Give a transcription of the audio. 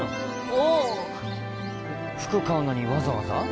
おう服買うのにわざわざ？